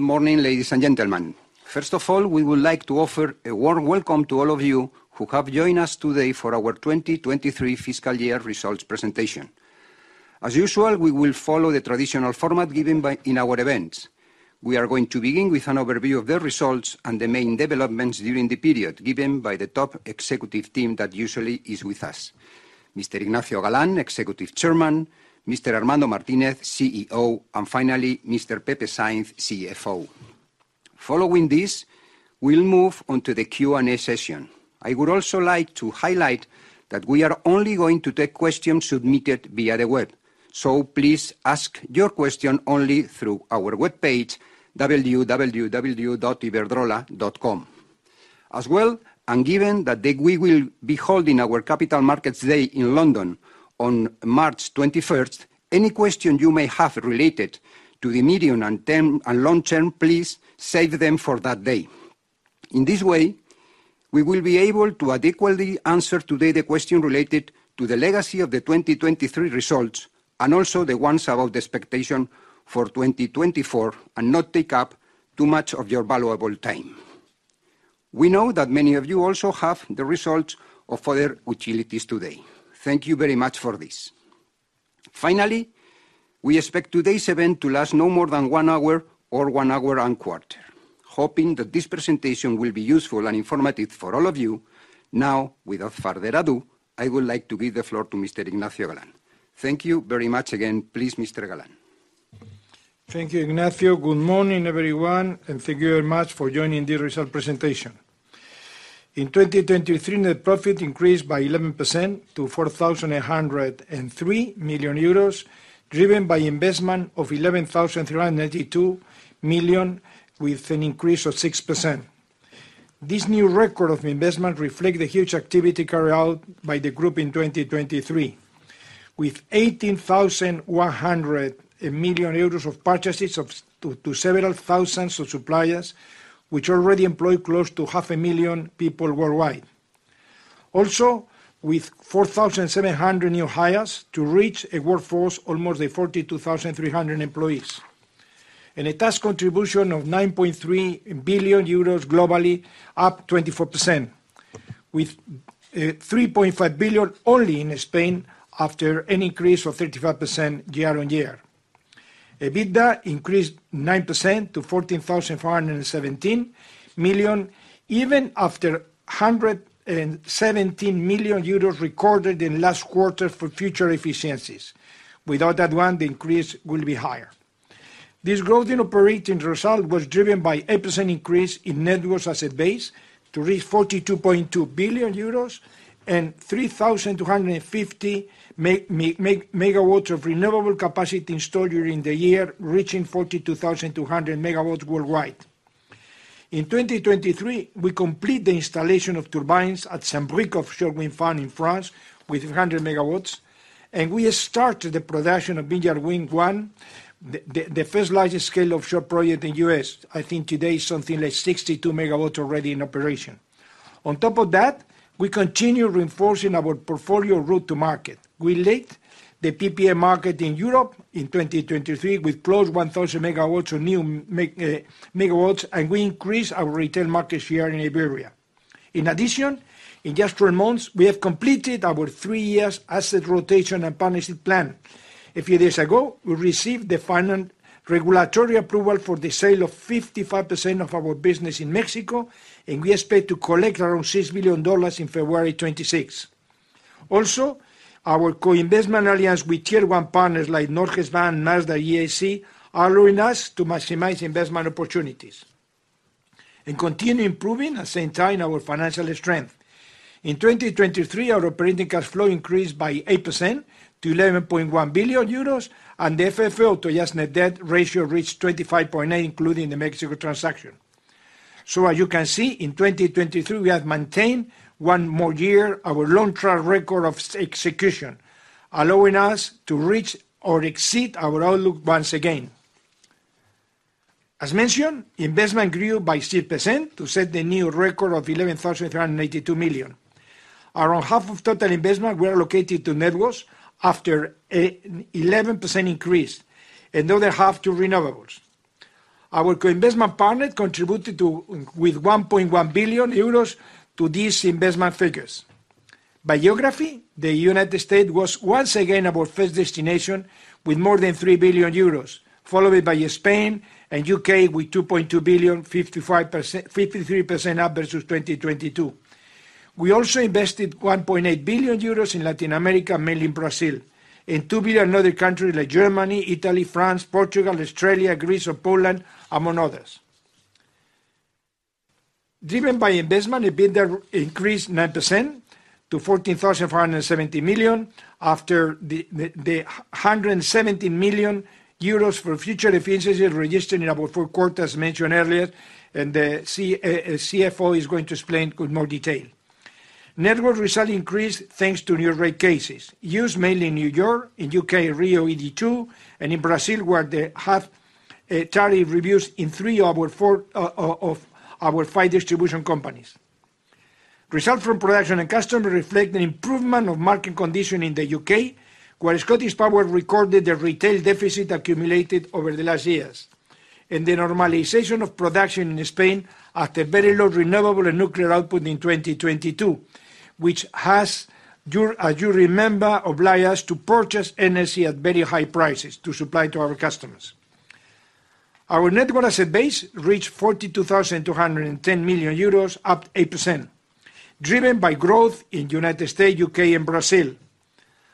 Good morning, ladies and gentlemen. First of all, we would like to offer a warm welcome to all of you who have joined us today for our 2023 fiscal year results presentation. As usual, we will follow the traditional format given by us in our events. We are going to begin with an overview of the results and the main developments during the period, given by the top executive team that usually is with us: Mr. Ignacio Galán, Executive Chairman; Mr. Armando Martínez, CEO, and finally, Mr. Pepe Sainz, CFO. Following this, we'll move on to the Q&A session. I would also like to highlight that we are only going to take questions submitted via the web, so please ask your question only through our webpage, www.iberdrola.com. As well, and given that then we will be holding our Capital Markets Day in London on March 21st, any question you may have related to the medium-term and long-term, please save them for that day. In this way, we will be able to adequately answer today the question related to the likes of the 2023 results, and also the ones about the expectations for 2024, and not take up too much of your valuable time. We know that many of you also have the results of other utilities today. Thank you very much for this. Finally, we expect today's event to last no more than one hour or one hour and quarter. Hoping that this presentation will be useful and informative for all of you, now, without further ado, I would like to give the floor to Mr. Ignacio Galán. Thank you very much again. Please, Mr. Galán. Thank you, Ignacio. Good morning, everyone, and thank you very much for joining the result presentation. In 2023, net profit increased by 11% to 4,803 million euros, driven by investment of 11,382 million, with an increase of 6%. This new record of investment reflect the huge activity carried out by the group in 2023, with 18,100 million euros of purchases to several thousand suppliers, which already employ close to 500,000 people worldwide. Also, with 4,700 new hires to reach a workforce almost at 42,300 employees, and a tax contribution of 9.3 billion euros globally, up 24%, with 3.5 billion only in Spain, after an increase of 35% year-on-year. EBITDA increased 9% to 14,417 million, even after 117 million euros recorded in last quarter for future efficiencies. Without that one, the increase will be higher. This growth in operating result was driven by 8% increase in net worth as a base to reach 42.2 billion euros and 3,250 MW of renewable capacity installed during the year, reaching 42,200 MW worldwide. In 2023, we complete the installation of turbines at Saint-Brieuc offshore wind farm in France with 100 MW, and we started the production of Vineyard Wind 1, the first large-scale offshore project in US I think today is something like 62 MW already in operation. On top of that, we continue reinforcing our portfolio route to market. We led the PPA market in Europe in 2023, with close to 1,000 megawatts of new megawatts, and we increased our retail market share in Iberia. In addition, in just three months, we have completed our 3-year asset rotation and partnership plan. A few days ago, we received the final regulatory approval for the sale of 55% of our business in Mexico, and we expect to collect around $6 billion in February 2026. Also, our co-investment alliance with Tier One partners like Norges Bank and GIC are allowing us to maximize investment opportunities and continue improving, at the same time, our financial strength. In 2023, our operating cash flow increased by 8% to 11.1 billion euros, and the FFO to adjusted net debt ratio reached 25.8, including the Mexico transaction. So as you can see, in 2023, we have maintained one more year our long-term track record of execution, allowing us to reach or exceed our outlook once again. As mentioned, investment grew by 6% to set the new record of 11,382 million. Around half of total investment were allocated to networks after an 11% increase, and the other half to renewables. Our co-investment partner contributed to with 1.1 billion euros to these investment figures. By geography, the United States was once again our first destination with more than 3 billion euros, followed by Spain and UK, with 2.2 billion, 55%-53% up versus 2022. We also invested 1.8 billion euros in Latin America, mainly in Brazil, and 2 billion in other countries like Germany, Italy, France, Portugal, Australia, Greece, or Poland, among others. Driven by investment, EBITDA increased 9% to 14,417 million after the 170 million euros for future efficiencies registered in our Q4, as mentioned earlier, and the CFO is going to explain with more detail. Network results increased thanks to new rate cases, used mainly in New York, in UK, RIIO-ED2, and in Brazil, where they have tariff reviews in three of our four of our five distribution companies. Results from production and customers reflect an improvement of market condition in the UK, where ScottishPower recorded the retail deficit accumulated over the last years, and the normalization of production in Spain after very low renewable and nuclear output in 2022, which has, as you remember, obliged us to purchase energy at very high prices to supply to our customers. Our net asset base reached 42,210 million euros, up 8%, driven by growth in United States, UK, and Brazil.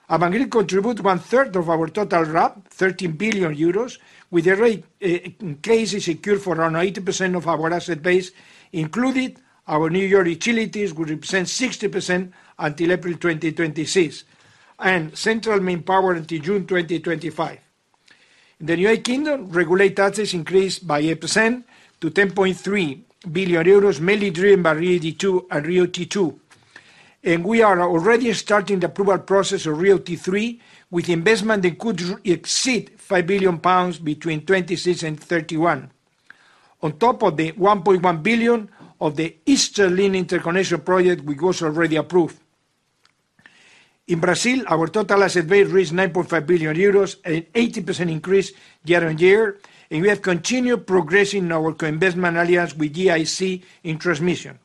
Our regulated assets contribute one-third of our total RAB, 13 billion euros, with rates in place secured for around 80% of our asset base, including our New York utilities, will represent 60% until April 2026, and Central Maine Power until June 2025. In the United Kingdom, regulated assets increased by 8% to 10.3 billion euros, mainly driven by RIIO-T2 and RIIO-ED2. We are already starting the approval process of RIIO-T3, with investment that could exceed 5 billion pounds between 2026 and 2031. On top of the 1.1 billion of the Eastern Link interconnection project, we got already approved. In Brazil, our total asset base reached 9.5 billion euros, an 80% increase year-on-year, and we have continued progressing in our co-investment alliance with GIC in transmission.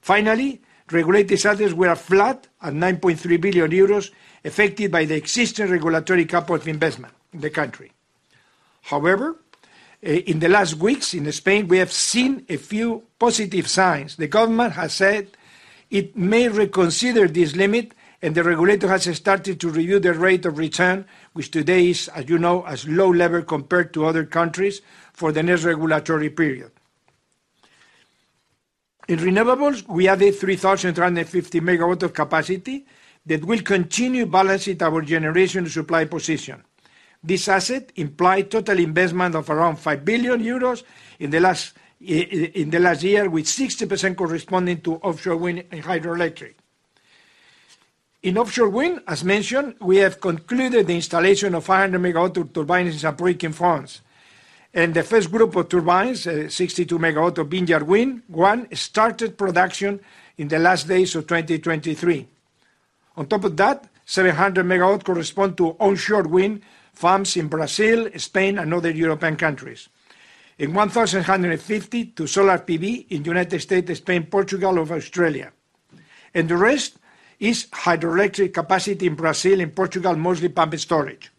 Finally, regulated assets were flat at 9.3 billion euros, affected by the existing regulatory capital investment in the country. However, in the last weeks in Spain, we have seen a few positive signs. The government has said it may reconsider this limit, and the regulator has started to review the rate of return, which today is, as you know, as low level compared to other countries for the next regulatory period. In renewables, we added 3,350 MW of capacity that will continue balancing our generation supply position. This asset implied total investment of around 5 billion euros in the last year, with 60% corresponding to offshore wind and hydroelectric. In offshore wind, as mentioned, we have concluded the installation of 500 MW turbines in Saint-Brieuc in France. And the first group of turbines, 62 MW of Vineyard Wind 1, started production in the last days of 2023. On top of that, 700 MW correspond to onshore wind farms in Brazil, Spain, and other European countries. In 1,150 to solar PV in United States, Spain, Portugal, or Australia. The rest is hydroelectric capacity in Brazil and Portugal, mostly pump and storage.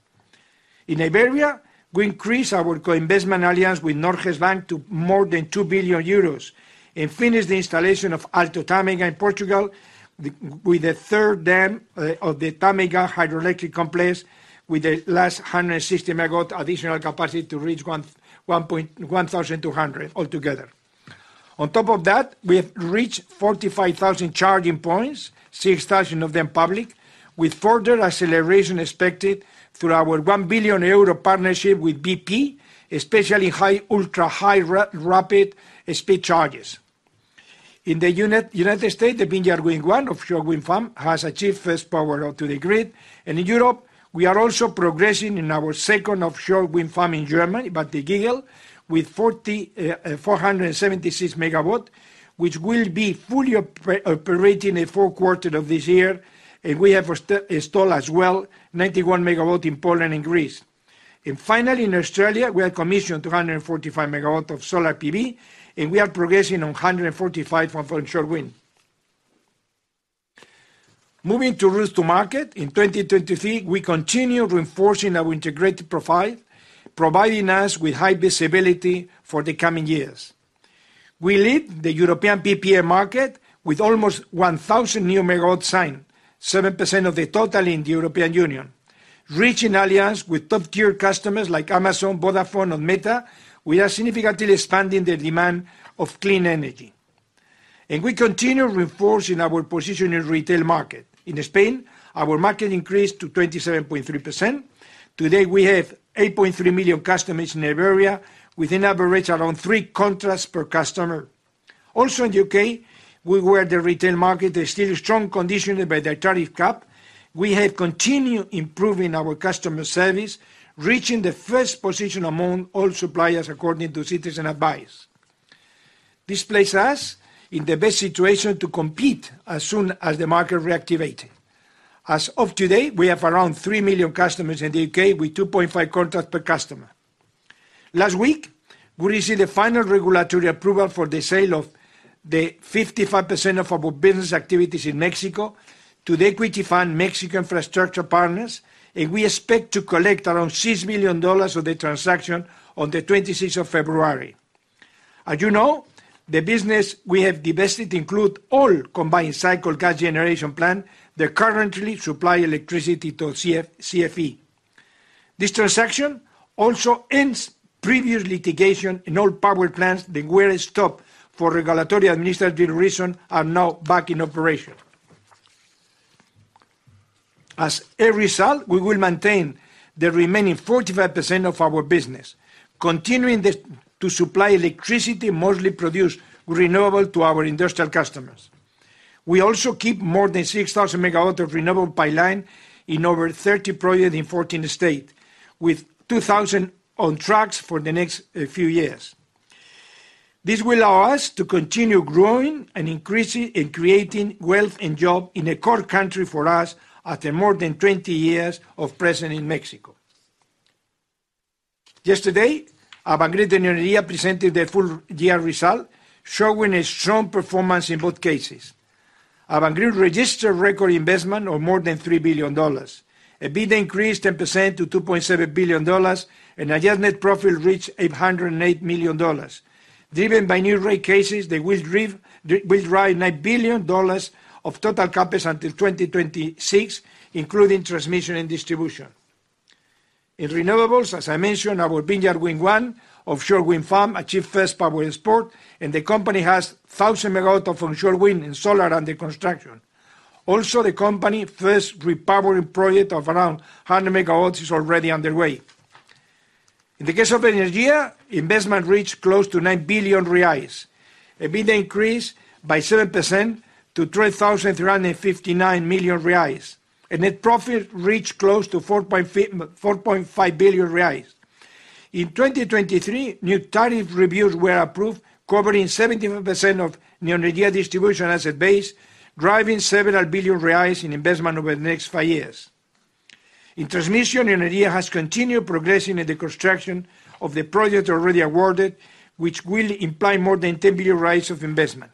In Iberia, we increased our co-investment alliance with Norges Bank to more than 2 billion euros and finished the installation of Alto Tâmega in Portugal, the with the third dam of the Tâmega hydroelectric complex, with the last 160-megawatt additional capacity to reach 1,200 altogether. On top of that, we have reached 45,000 charging points, 6,000 of them public, with further acceleration expected through our 1 billion euro partnership with BP, especially high, ultra-high rapid speed charges. In the United States, the Vineyard Wind 1 offshore wind farm has achieved first power out to the grid. In Europe, we are also progressing in our second offshore wind farm in Germany, Baltic Eagle, with 476 MW, which will be fully operating in the Q4 of this year, and we have installed as well 91 MW in Poland and Greece. Finally, in Australia, we have commissioned 245 MW of solar PV, and we are progressing on 145 MW of offshore wind. Moving to routes to market, in 2023, we continued reinforcing our integrated profile, providing us with high visibility for the coming years. We lead the European PPA market with almost 1,000 new MW signed, 7% of the total in the European Union. Reaching alliance with top-tier customers like Amazon, Vodafone, and Meta, we are significantly expanding the demand of clean energy. We continue reinforcing our position in retail market. In Spain, our market increased to 27.3%. Today, we have 8.3 million customers in Iberia, with an average around three contracts per customer. Also, in the UK, we were at the retail market. There's still a strong condition by the tariff cap. We have continued improving our customer service, reaching the first position among all suppliers, according to Citizens Advice. This places us in the best situation to compete as soon as the market reactivate. As of today, we have around three million customers in the UK, with 2.5 contracts per customer. Last week, we received the final regulatory approval for the sale of the 55% of our business activities in Mexico to the equity fund, Mexican Infrastructure Partners, and we expect to collect around $6 billion of the transaction on the 26th of February. As you know, the business we have divested include all combined cycle gas generation plant that currently supply electricity to CFE. This transaction also ends previous litigation in all power plants that were stopped for regulatory administrative reason, are now back in operation. As a result, we will maintain the remaining 45% of our business, continuing to supply electricity, mostly produced renewable, to our industrial customers. We also keep more than 6,000 MW of renewable pipeline in over 30 projects in 14 states, with 2,000 on tracks for the next few years. This will allow us to continue growing and increasing and creating wealth and job in a core country for us after more than 20 years of presence in Mexico. Yesterday, Iberdrola and Neoenergia presented their full year result, showing a strong performance in both cases. Iberdrola registered record investment of more than $3 billion. EBITDA increased 10% to $2.7 billion, and adjusted net profit reached $808 million. Driven by new rate cases, they will drive $9 billion of total CapEx until 2026, including transmission and distribution. In renewables, as I mentioned, our Vineyard Wind 1 offshore wind farm achieved first power export, and the company has 1,000 megawatts of offshore wind and solar under construction. Also, the company first repowering project of around 100 megawatts is already underway. In the case of Energia, investment reached close to 9 billion reais. EBITDA increased by 7% to 3,359 million reais, and net profit reached close to 4.5 billion reais. In 2023, new tariff reviews were approved, covering 70% of Neoenergia distribution asset base, driving several billion BRL in investment over the next five years. In transmission, Energia has continued progressing in the construction of the project already awarded, which will imply more than 10 billion of investment.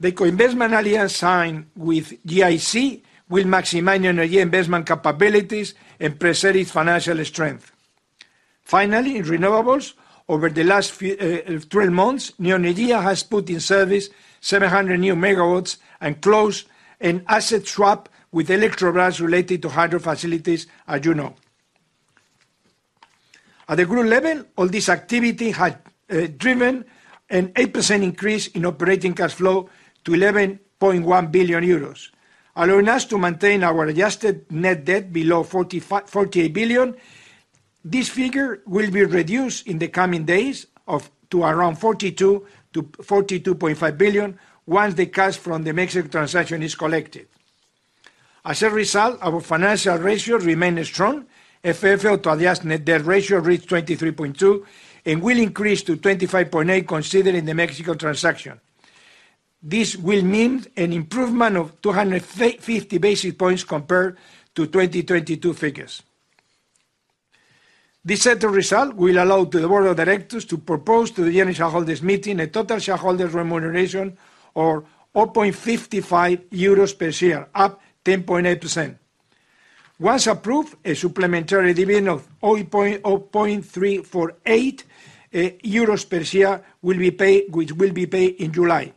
The co-investment alliance signed with GIC will maximize Neoenergia investment capabilities and preserve its financial strength. Finally, in renewables, over the last 12 months, Neoenergia has put in service 700 new MW and closed an asset swap with Eletrobras related to hydro facilities, as you know. At the group level, all this activity has driven an 8% increase in operating cash flow to 11.1 billion euros, allowing us to maintain our adjusted net debt below 48 billion. This figure will be reduced in the coming days to around 42-42.5 billion once the cash from the Mexico transaction is collected. As a result, our financial ratios remain strong. FFO to adjusted net debt ratio reached 23.2 and will increase to 25.8, considering the Mexico transaction. This will mean an improvement of two hundred and fifty basis points compared to 2022 figures. This set of results will allow to the board of directors to propose to the annual shareholders' meeting a total shareholders' remuneration of 0.55 euros per share, up 10.8%. Once approved, a supplementary dividend of 0.0348 euros per share will be paid, which will be paid in July,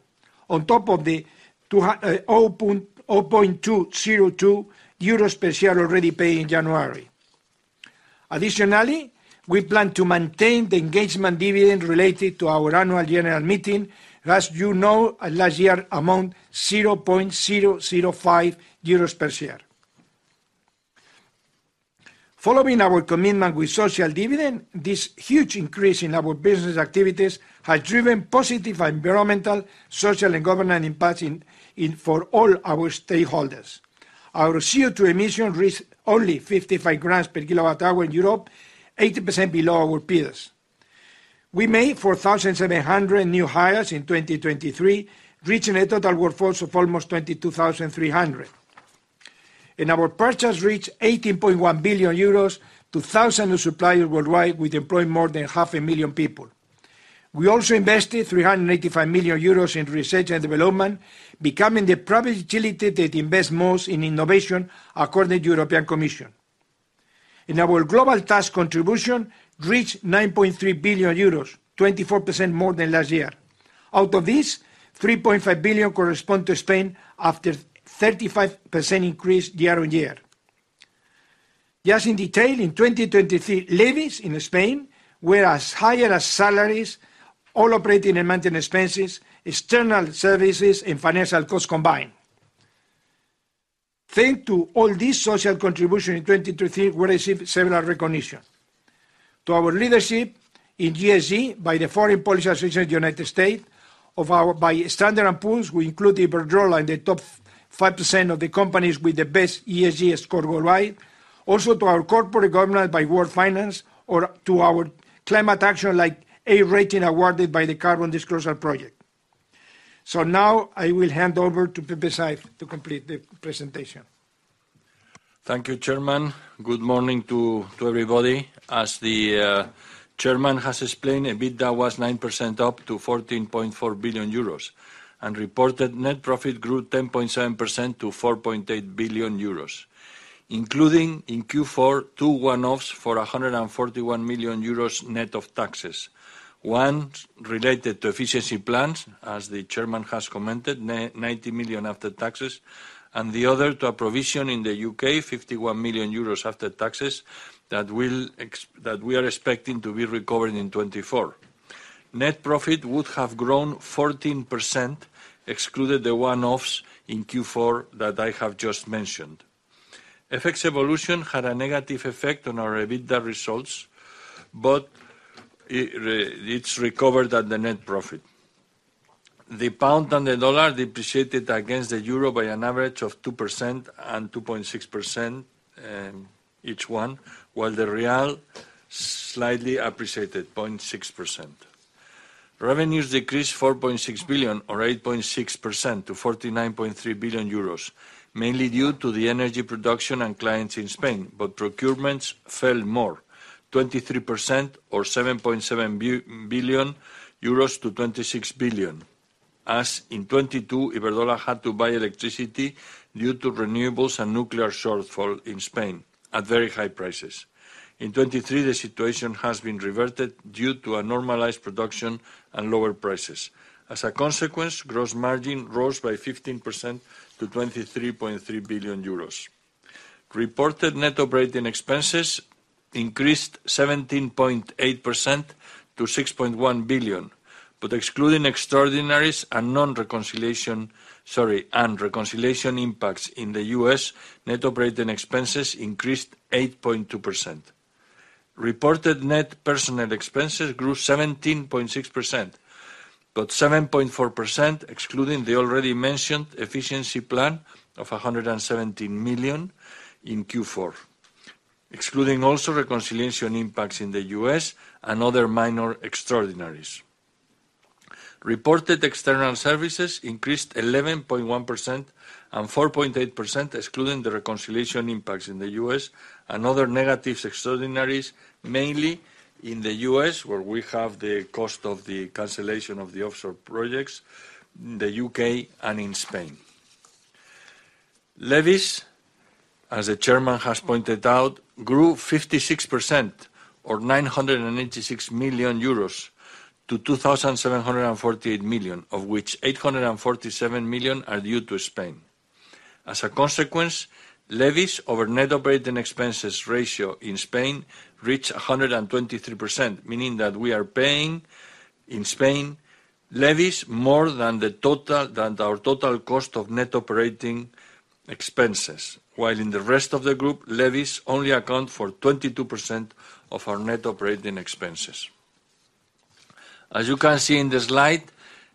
on top of the 0.0202 euros per share already paid in January. Additionally, we plan to maintain the engagement dividend related to our annual general meeting, as you know, last year amount 0.0005 euros per share. Following our commitment with social dividend, this huge increase in our business activities has driven positive environmental, social, and governance impact for all our stakeholders. Our CO₂ emission reached only 55 grams per kilowatt hour in Europe, 80% below our peers. We made 4,700 new hires in 2023, reaching a total workforce of almost 22,300. Our purchases reached 18.1 billion euros to 1,000 new suppliers worldwide, employing more than 500,000 people. We also invested 385 million euros in research and development, becoming the private utility that invests most in innovation, according to the European Commission. Our global tax contribution reached 9.3 billion euros, 24% more than last year. Out of this, 3.5 billion corresponds to Spain, after 35% increase year-on-year. Just in detail, in 2023, levies in Spain were as high as salaries, all operating and maintenance expenses, external services, and financial costs combined. Thanks to all this social contribution in 2023, we received several recognitions. To our leadership in ESG by the Foreign Policy Association of the United States, awarded by Standard & Poor's, we include Iberdrola in the top 5% of the companies with the best ESG score worldwide. Also, to our corporate governance by World Finance or to our climate action, like A rating awarded by the Carbon Disclosure Project. So now I will hand over to Pepe Sainz to complete the presentation. Thank you, Chairman. Good morning to everybody. As the chairman has explained, EBITDA was 9% up to 14.4 billion euros, and reported net profit grew 10.7% to 4.8 billion euros, including in Q4 two one-offs for 141 million euros net of taxes. One related to efficiency plans, as the chairman has commented, 90 million after taxes, and the other to a provision in the UK, 51 million euros after taxes, that we are expecting to be recovered in 2024. Net profit would have grown 14%, excluded the one-offs in Q4 that I have just mentioned. FX evolution had a negative effect on our EBITDA results, but it, it's recovered at the net profit. The pound and the dollar depreciated against the euro by an average of 2% and 2.6%, each one, while the real slightly appreciated, 0.6%. Revenues decreased 4.6 billion, or 8.6%, to 49.3 billion euros, mainly due to the energy production and clients in Spain. But procurements fell more, 23% or 7.7 billion euros to 26 billion. As in 2022, Iberdrola had to buy electricity due to renewables and nuclear shortfall in Spain at very high prices. In 2023, the situation has been reverted due to a normalized production and lower prices. As a consequence, gross margin rose by 15% to 23.3 billion euros. Reported net operating expenses increased 17.8% to 6.1 billion, but excluding extraordinaries and non-reconciliation—sorry, and reconciliation impacts in the US, net operating expenses increased 8.2%. Reported net personal expenses grew 17.6%, but 7.4%, excluding the already mentioned efficiency plan of 117 million in Q4. Excluding also reconciliation impacts in the US and other minor extraordinaries. Reported external services increased 11.1% and 4.8%, excluding the reconciliation impacts in the US and other negative extraordinaries, mainly in the US, where we have the cost of the cancellation of the offshore projects, in the UK, and in Spain. Levies, as the chairman has pointed out, grew 56% or 986 million euros to 2,748 million, of which 847 million are due to Spain. As a consequence, levies over net operating expenses ratio in Spain reached 123%, meaning that we are paying in Spain levies more than our total cost of net operating expenses. While in the rest of the group, levies only account for 22% of our net operating expenses. As you can see in the slide,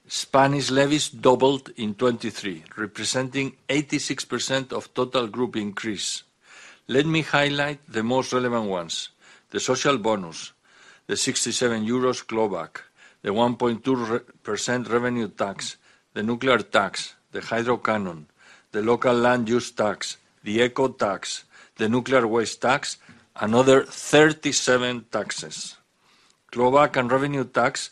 Spanish levies doubled in 2023, representing 86% of total group increase. Let me highlight the most relevant ones: the social bonus, the 67 euros clawback, the 1.2% revenue tax, the nuclear tax, the hydro canon, the local land use tax, the eco tax, the nuclear waste tax, another 37 taxes. Clawback and revenue tax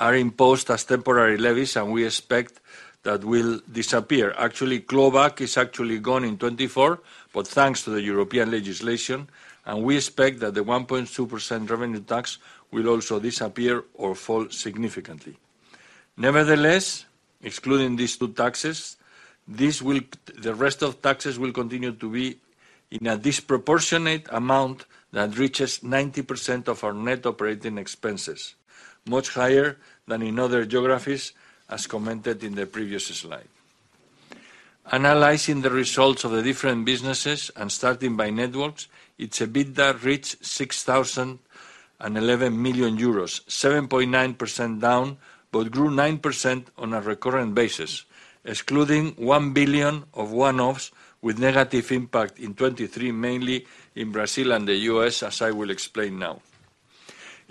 are imposed as temporary levies, and we expect that will disappear. Actually, clawback is actually gone in 2024, but thanks to the European legislation, and we expect that the 1.2% revenue tax will also disappear or fall significantly. Nevertheless, excluding these two taxes, the rest of taxes will continue to be in a disproportionate amount that reaches 90% of our net operating expenses, much higher than in other geographies, as commented in the previous slide. Analyzing the results of the different businesses and starting by networks, its EBITDA reached 6,011 million euros, 7.9% down, but grew 9% on a recurrent basis, excluding 1 billion of one-offs, with negative impact in 2023, mainly in Brazil and the US, as I will explain now.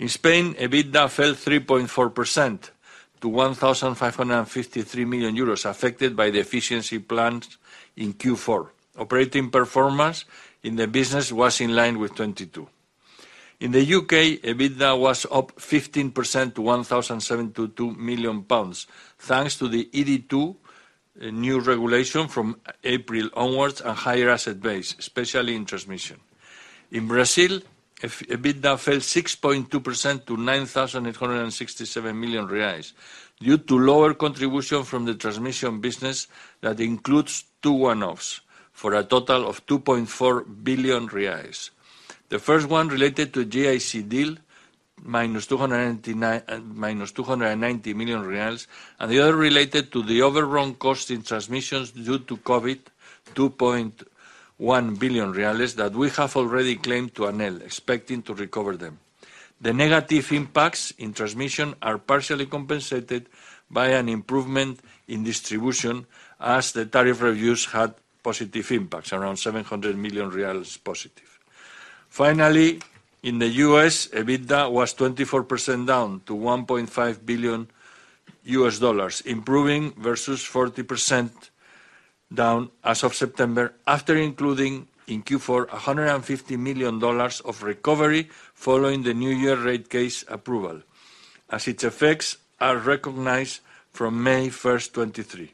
In Spain, EBITDA fell 3.4% to EUR 1,553 million, affected by the efficiency plans in Q4. Operating performance in the business was in line with 2022. In the UK, EBITDA was up 15% to GBP 1,722 million, thanks to the ED2 new regulation from April onwards, and higher asset base, especially in transmission. In Brazil, EBITDA fell 6.2% to 9,867 million reais, due to lower contribution from the transmission business that includes two one-offs, for a total of 2.4 billion reais. The first one related to GIC deal, minus 290 million reais, and the other related to the overrun cost in transmissions due to COVID, 2.1 billion, that we have already claimed to ANEEL, expecting to recover them. The negative impacts in transmission are partially compensated by an improvement in distribution, as the tariff reviews had positive impacts, around 700 million reais positive. Finally, in the US, EBITDA was 24% down to $1.5 billion, improving versus 40% down as of September, after including in Q4 $150 million of recovery following the New York rate case approval, as its effects are recognized from May 1, 2023.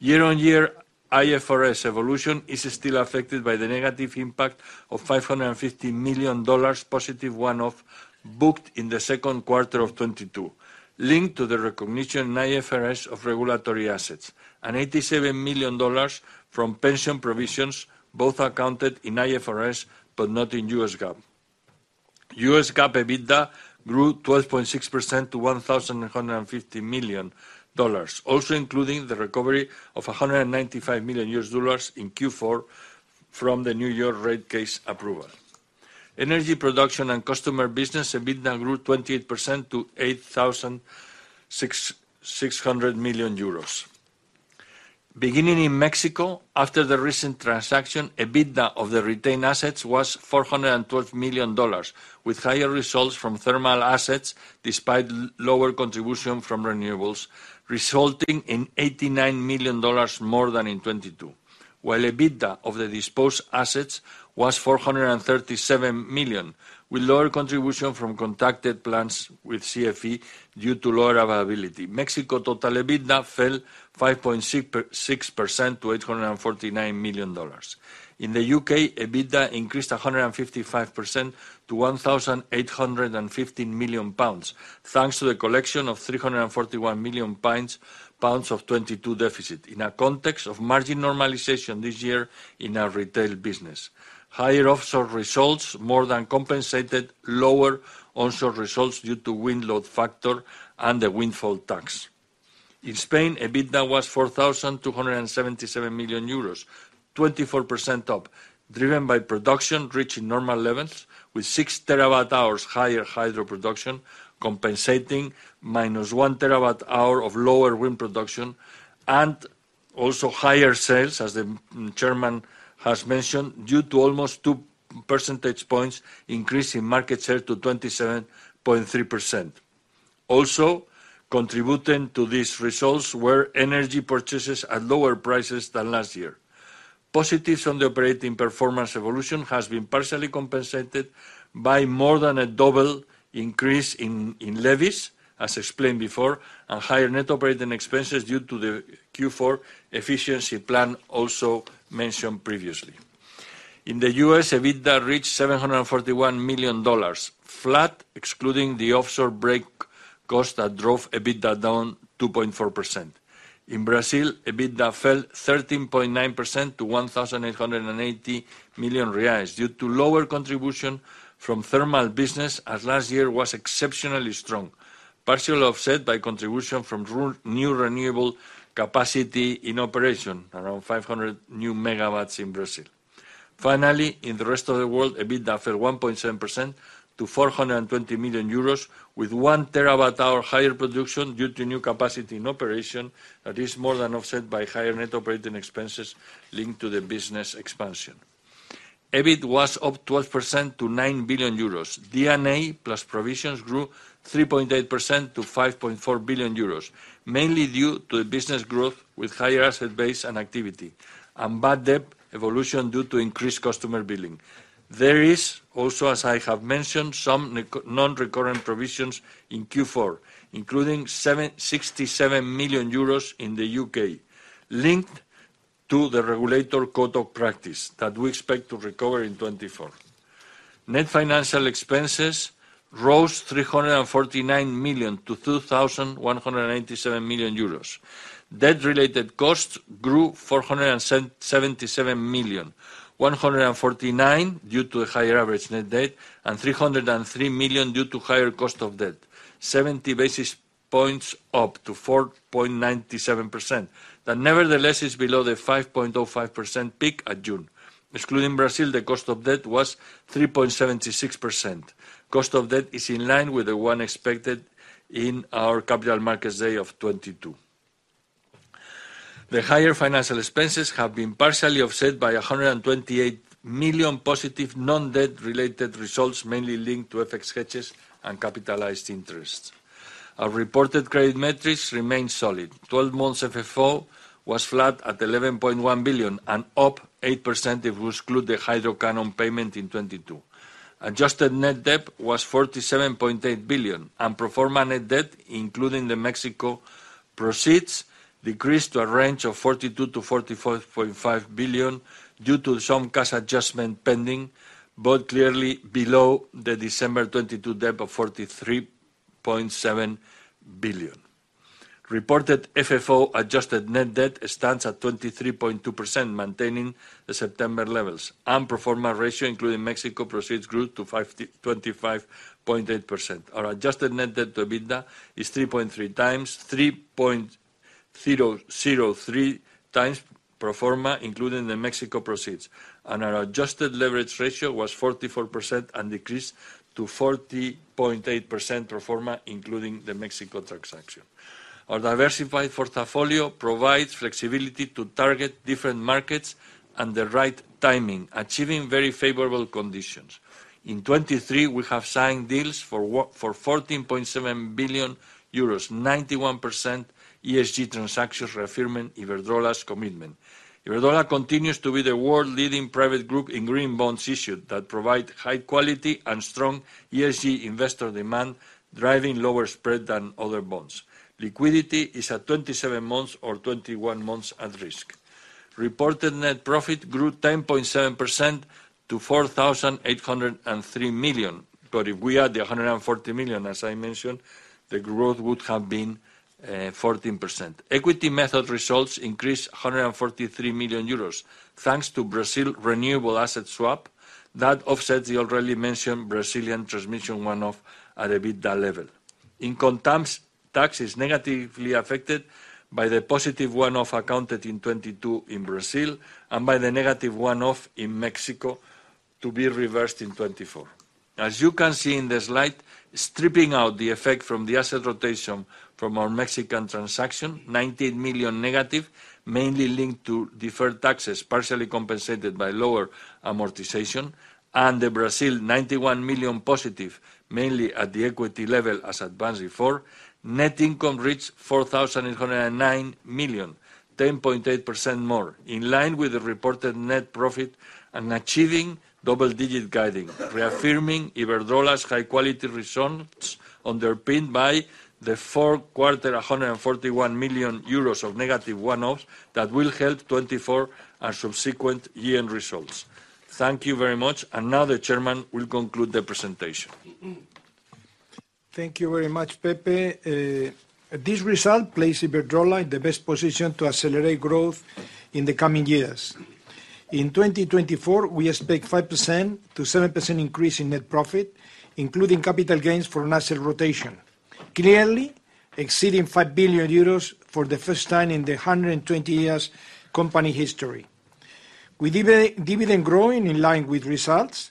Year-on-year, IFRS evolution is still affected by the negative impact of $550 million positive one-off, booked in theQ2 of 2022, linked to the recognition in IFRS of regulatory assets and $87 million from pension provisions, both accounted in IFRS, but not in US GAAP. US GAAP, EBITDA grew 12.6% to $1.55 billion, also including the recovery of $195 million in Q4 from the New York rate case approval. Energy production and customer business, EBITDA grew 28% to 8,660 million euros. Beginning in Mexico, after the recent transaction, EBITDA of the retained assets was $412 million, with higher results from thermal assets, despite lower contribution from renewables, resulting in $89 million more than in 2022. While EBITDA of the disposed assets was $437 million, with lower contribution from contracted plants with CFE due to lower availability. Mexico total EBITDA fell 5.6%-6% to $849 million. In the UK, EBITDA increased 155% to 1,815 million pounds, thanks to the collection of 341 million pounds of 2022 deficit. In a context of margin normalization this year in our retail business, higher offshore results more than compensated lower onshore results due to wind load factor and the windfall tax. In Spain, EBITDA was 4,277 million euros, 24% up, driven by production reaching normal levels, with six TWh higher hydro production, compensating minus one TWh of lower wind production, and also higher sales, as the chairman has mentioned, due to almost 2% points increase in market share to 27.3%. Also, contributing to these results were energy purchases at lower prices than last year. Positives on the operating performance evolution has been partially compensated by more than a double increase in levies, as explained before, and higher net operating expenses due to the Q4 efficiency plan also mentioned previously. In the US, EBITDA reached $741 million, flat, excluding the offshore break cost that drove EBITDA down 2.4%. In Brazil, EBITDA fell 13.9% to 1,880 million reais, due to lower contribution from thermal business, as last year was exceptionally strong, partially offset by contribution from renewable capacity in operation, around 500 new MW in Brazil. Finally, in the rest of the world, EBITDA fell 1.7% to 420 million euros, with one TWh higher production due to new capacity in operation, that is more than offset by higher net operating expenses linked to the business expansion. EBIT was up 12% to 9 billion euros. D&A plus provisions grew 3.8% to 5.4 billion euros, mainly due to the business growth with higher asset base and activity, and bad debt evolution due to increased customer billing. There is also, as I have mentioned, some non-recurrent provisions in Q4, including 67 million euros in the UK, linked to the regulator code of practice that we expect to recover in 2024. Net financial expenses rose 349 million to 2,187 million euros. Debt-related costs grew 477 million, 149 million due to a higher average net debt, and 303 million due to higher cost of debt, 70 basis points up to 4.97%. That, nevertheless, is below the 5.05% peak at June. Excluding Brazil, the cost of debt was 3.76%. Cost of debt is in line with the one expected in our capital markets day of 2022. The higher financial expenses have been partially offset by 128 million positive non-debt related results, mainly linked to FX hedges and capitalized interest. Our reported credit metrics remain solid. 12 months FFO was flat at 11.1 billion and up 8% if we exclude the hydro canon payment in 2022. Adjusted net debt was 47.8 billion, and pro forma net debt, including the Mexico proceeds, decreased to a range of 42 billion to 44.5 billion due to some cash adjustment pending, but clearly below the December 2022 debt of 43.7 billion. Reported FFO adjusted net debt stands at 23.2%, maintaining the September levels, and pro forma ratio, including Mexico proceeds, grew to 52.58%. Our adjusted net debt to EBITDA is 3.3x, 3.30x pro forma, including the Mexico proceeds, and our adjusted leverage ratio was 44% and decreased to 40.8% pro forma, including the Mexico transaction. Our diversified portfolio provides flexibility to target different markets and the right timing, achieving very favorable conditions. In 2023, we have signed deals for 14.7 billion euros, 91% ESG transactions, reaffirming Iberdrola's commitment. Iberdrola continues to be the world-leading private group in green bonds issued that provide high quality and strong ESG investor demand, driving lower spread than other bonds. Liquidity is at 27 months or 21 months at risk. Reported net profit grew 10.7% to 4,803 million, but if we add the 140 million, as I mentioned, the growth would have been 14%. Equity method results increased 143 million euros, thanks to Brazil renewable asset swap. That offsets the already mentioned Brazilian transmission one-off at EBITDA level. Income tax is negatively affected by the positive one-off accounted in 2022 in Brazil, and by the negative one-off in Mexico, to be reversed in 2024. As you can see in the slide, stripping out the effect from the asset rotation from our Mexican transaction, 19 million negative, mainly linked to deferred taxes, partially compensated by lower amortization, and the Brazil, 91 million positive, mainly at the equity level, as advanced before. Net income reached 4,809 million, 10.8% more, in line with the reported net profit and achieving double-digit guidance, reaffirming Iberdrola's high-quality results, underpinned by the Q4, 141 million euros of negative one-offs that will help 2024 and subsequent year-end results. Thank you very much. Now, the chairman will conclude the presentation. Thank you very much, Pepe. This result places Iberdrola in the best position to accelerate growth in the coming years. In 2024, we expect 5%-7% increase in net profit, including capital gains from asset rotation. Clearly, exceeding 5 billion euros for the first time in the 120 years company history. With dividend growing in line with results,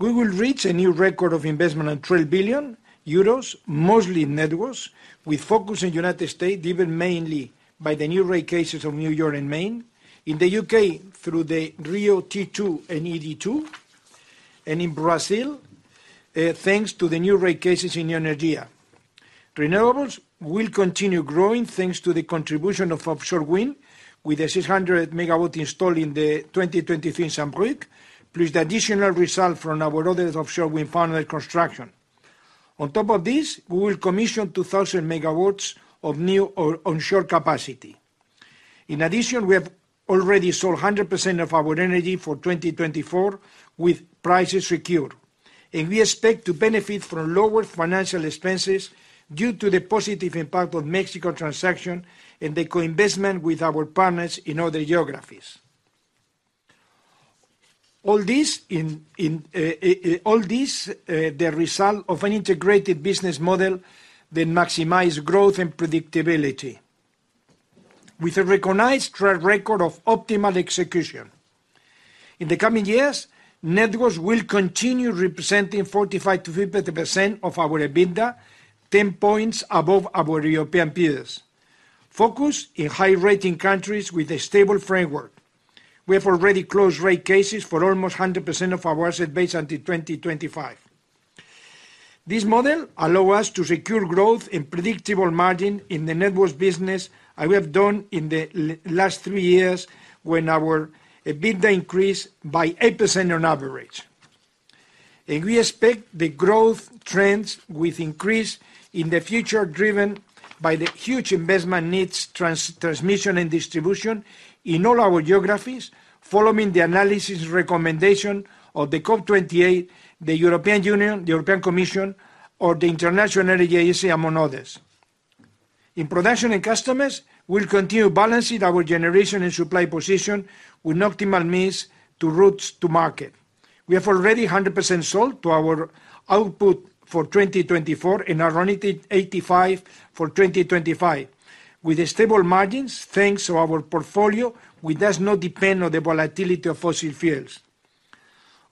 we will reach a new record of investment on 12 billion euros, mostly networks, with focus on United States, driven mainly by the new rate cases of New York and Maine. In the UK, through the RIIO-T2 and ED2, and in Brazil, thanks to the new rate cases in Energia. Renewables will continue growing, thanks to the contribution of offshore wind, with the 600 MW installed in the 2023 Saint-Brieuc, plus the additional result from our other offshore wind farm under construction. On top of this, we will commission 2,000 MW of new or onshore capacity. In addition, we have already sold 100% of our energy for 2024, with prices secured, and we expect to benefit from lower financial expenses due to the positive impact of Mexico transaction and the co-investment with our partners in other geographies. All this, the result of an integrated business model that maximize growth and predictability, with a recognized track record of optimal execution. In the coming years, networks will continue representing 45%-50% of our EBITDA, 10 points above our European peers. Focus in high-rating countries with a stable framework. We have already closed rate cases for almost 100% of our asset base until 2025. This model allow us to secure growth and predictable margin in the networks business, as we have done in the last three years, when our EBITDA increased by 8% on average. And we expect the growth trends will increase in the future, driven by the huge investment needs, transmission and distribution in all our geographies, following the analysis recommendation of the COP28, the European Union, the European Commission, or the International Energy Agency, among others. In production and customers, we'll continue balancing our generation and supply position with optimal means to routes to market. We have already 100% sold to our output for 2024 and around 85% for 2025, with stable margins, thanks to our portfolio, which does not depend on the volatility of fossil fuels.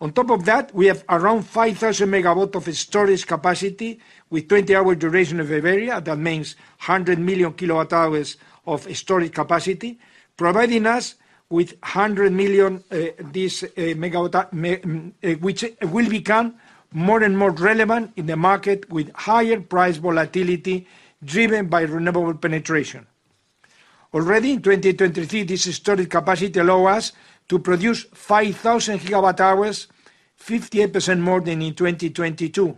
On top of that, we have around 5,000 MW of storage capacity with 20-hour duration of Iberia. That means 100 million kWh of storage capacity, providing us with 100 million, which will become more and more relevant in the market, with higher price volatility, driven by renewable penetration. Already in 2023, this storage capacity allow us to produce 5,000 GWh, 58% more than in 2022.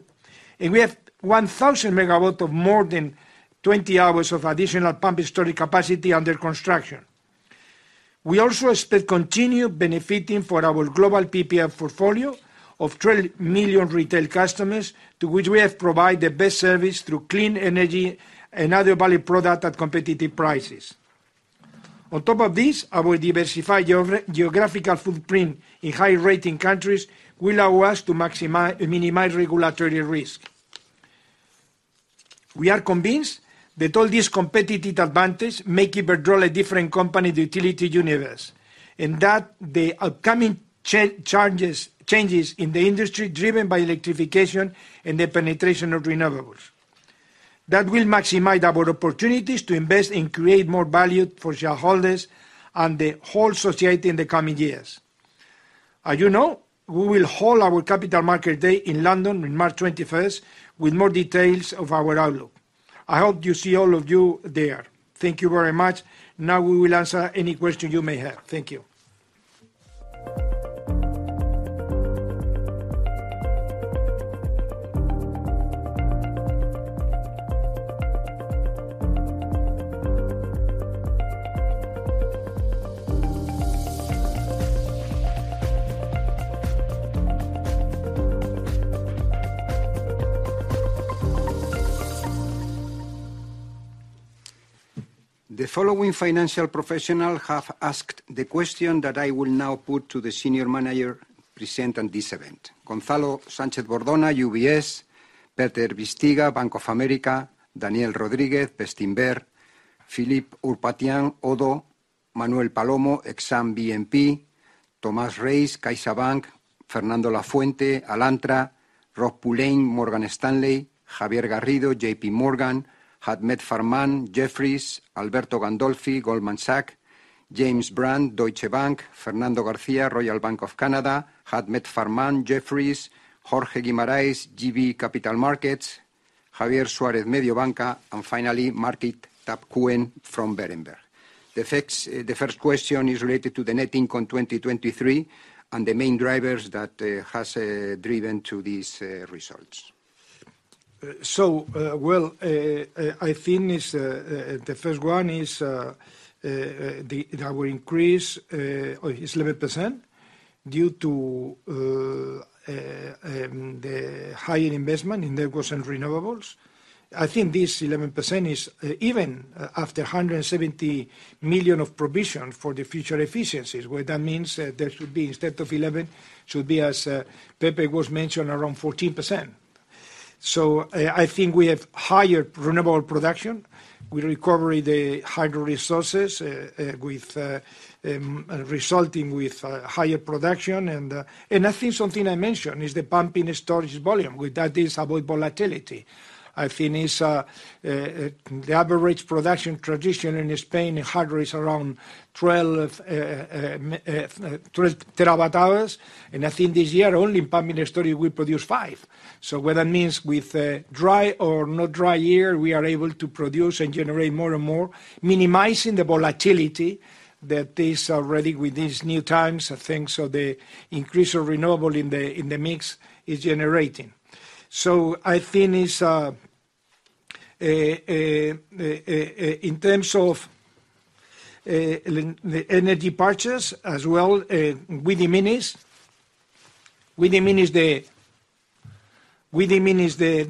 And we have 1,000 MW of more than 20 hours of additional pumped storage capacity under construction. We also expect continued benefiting for our global PPA portfolio of 12 million retail customers, to which we have provided the best service through clean energy and other value product at competitive prices. On top of this, our diversified geographical footprint in high-rating countries will allow us to minimize regulatory risk. We are convinced that all these competitive advantage make Iberdrola a different company in the utility universe, and that the upcoming changes in the industry, driven by electrification and the penetration of renewables, that will maximize our opportunities to invest and create more value for shareholders and the whole society in the coming years. As you know, we will hold our Capital Market Day in London on March 21, with more details of our outlook. I hope to see all of you there. Thank you very much. Now, we will answer any question you may have. Thank you. The following financial professionals have asked the question that I will now put to the senior manager present on this event: Gonzalo Sánchez-Bordona, UBS; Peter Bisztyga, Bank of America; Daniel Rodríguez, Bestinver; Philippe Ourpatian, ODDO BHF; Manuel Palomo, Exane BNP; Tomás Reis, CaixaBank; Fernando Lafuente, Alantra; Rob Pulleyn, Morgan Stanley; Javier Garrido, JPMorgan; Ahmed Farman, Jefferies; Alberto Gandolfi, Goldman Sachs; James Brand, Deutsche Bank; Fernando Garcia, Royal Bank of Canada; Ahmed Farman, Jefferies; Jorge Guimarães, JB Capital Markets; Javier Suárez, Mediobanca; and finally, [Markus Tobkuen from Berenberg]. The first, the first question is related to the net income 2023 and the main drivers that has driven to these results. Well, the thing the phase I is our increase is 11% due to the higher investment in networks and renewables. I think this 11% is even after 170 million of provision for the future efficiencies, what that means, there should be instead of eleven, should be, as Pepe mentioned, around 14%. So, I think we have higher renewable production. We recovered the hydro resources with resulting in higher production. And I think something I mentioned is the pumping and storage volume, with that avoids volatility. I think is the average production tradition in Spain and hydro is around 12 TWh, and I think this year, only in pumping and storage, we produce five. So what that means with dry or not dry year, we are able to produce and generate more and more, minimizing the volatility that is already with these new times, I think, so the increase of renewable in the mix is generating. So I think is in terms of the energy purchase as well, we diminish, we diminish the... We diminish the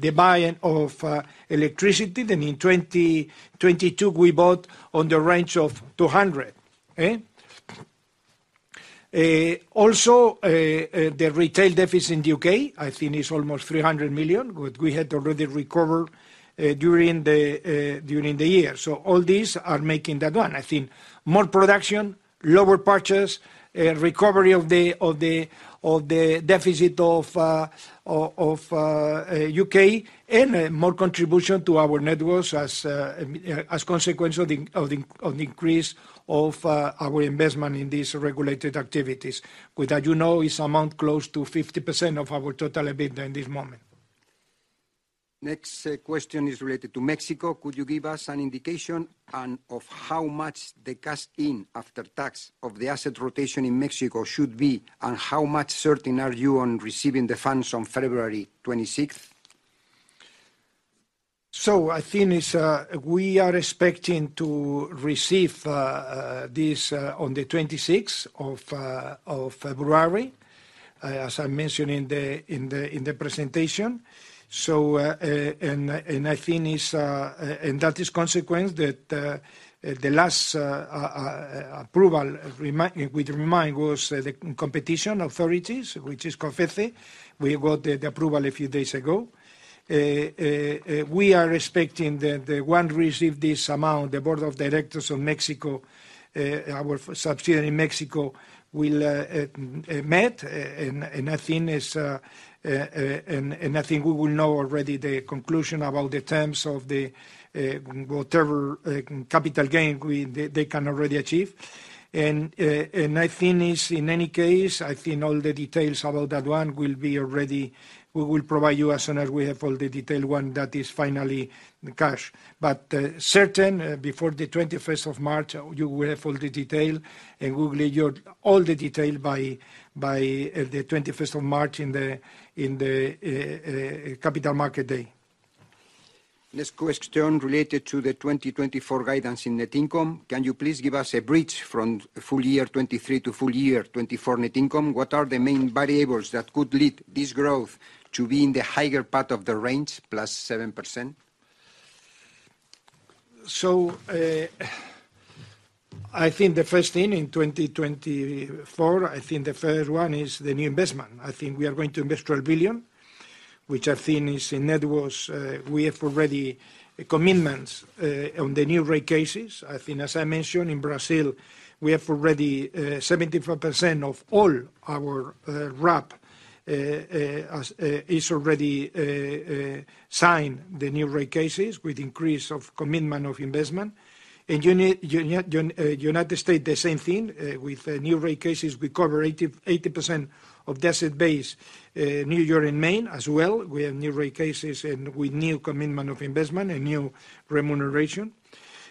the buying of electricity. Then in 2022, we bought on the range of 200, eh? Also, the retail deficit in the UK, I think, is almost 300 million, what we had already recovered during the year. So all these are making that one. I think more production, lower purchase, and recovery of the deficit of UK, and more contribution to our networks as consequence of the increase of our investment in these regulated activities. With that, you know, is amount close to 50% of our total EBITDA in this moment. Next, question is related to Mexico. Could you give us an indication of how much the cash in after tax of the asset rotation in Mexico should be, and how much certain are you on receiving the funds on February 26th? So I think is we are expecting to receive this on the 26th of February as I mentioned in the in the in the presentation. So and and I think is and that is consequence that the last approval which remind was the competition authorities, which is COFECE. We got the approval a few days ago. We are expecting the one receive this amount, the board of directors of Mexico our subsidiary in Mexico will meet. And and I think is and and I think we will know already the conclusion about the terms of the whatever capital gain we-- they they can already achieve. I think, in any case, I think all the details about that one will be already... We will provide you as soon as we have all the detailed one that is finally the cash. But certain, before the 21st of March, you will have all the detail, and we will let you all the detail by the 21st of March in the Capital Market Day. Next question related to the 2024 guidance in net income: Can you please give us a bridge from full year 2023 to full year 2024 net income? What are the main variables that could lead this growth to be in the higher part of the range, +7%? So, I think the first thing in 2024, I think the first one is the new investment. I think we are going to invest 12 billion, which I think is in networks. We have already commitments on the new rate cases. I think, as I mentioned, in Brazil, we have already 75% of all our RAP is already signed the new rate cases with increase of commitment of investment. In United States, the same thing. With new rate cases, we cover 80% of the asset base. New York and Maine as well, we have new rate cases and with new commitment of investment and new remuneration.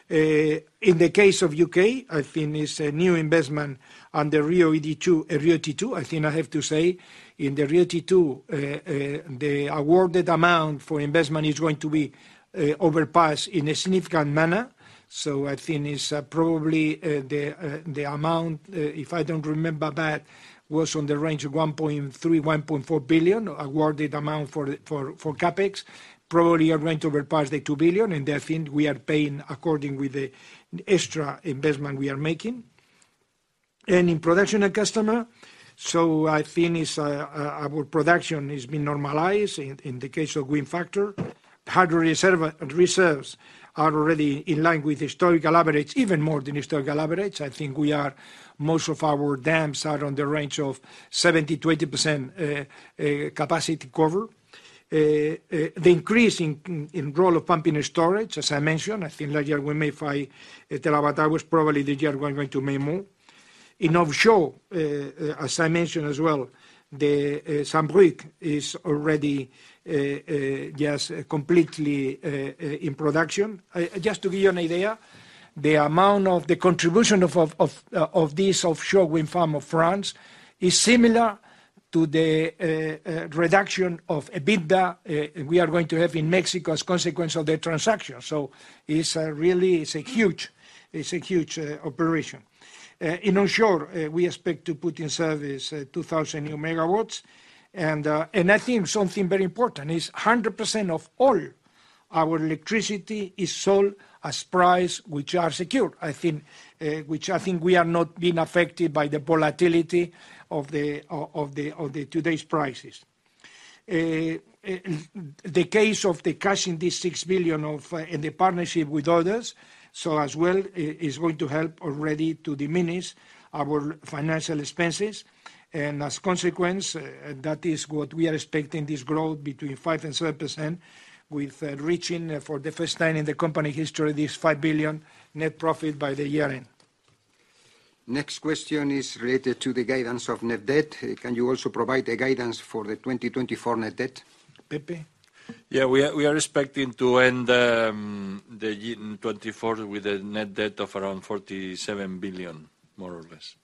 In the case of UK, I think it's a new investment on the RIIO-ED2, RIIO-T2, I think I have to say. In the RIIO-T2, the awarded amount for investment is going to be surpass in a significant manner. So I think it's probably the amount, if I don't remember badly, was on the range of 1.3 billion-1.4 billion, awarded amount for CapEx. Probably are going to surpass the 2 billion, and I think we are paying according with the extra investment we are making, and in production and customer. So I think is our production is been normalized in the case of wind factor. Hydro reserves are already in line with historical averages, even more than historical averages. I think we are, most of our dams are on the range of 70%-80% capacity cover. The increase in the role of pumping and storage, as I mentioned, I think last year we made five TWh, probably this year we are going to make more. In offshore, as I mentioned as well, the Saint-Brieuc is already just completely in production. Just to give you an idea, the amount of the contribution of this offshore wind farm of France is similar to the reduction of EBITDA we are going to have in Mexico as a consequence of the transaction. So it's a really, it's a huge, it's a huge operation. In onshore, we expect to put in service 2,000 MW. I think something very important is 100% of all our electricity is sold at prices which are secured. I think, which I think we are not being affected by the volatility of today's prices. The case of the cashing this 6 billion in the partnership with others, so as well, is going to help already to diminish our financial expenses. And as a consequence, that is what we are expecting, this growth between 5% and 7%, with reaching, for the first time in the company history, this 5 billion net profit by the year-end. Next question is related to the guidance of net debt. Can you also provide a guidance for the 2024 net debt? Pepe? Yeah, we are expecting to end the year in 2024 with a net debt of around 47 billion, more or less.